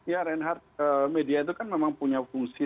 ya reinhard media itu kan memang punya fungsi